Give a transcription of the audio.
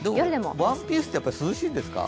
ワンピースって涼しいんですか？